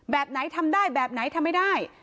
แบบไหนทำได้แบบไหนทำไม่ได้